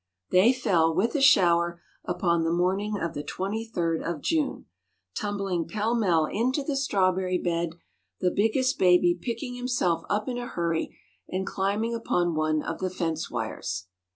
They fell, with a shower, upon the morning of the 23rd of June, tumbling pell mell into the strawberry bed, the biggest baby picking himself up in a hurry, and climbing upon one of the fence wires.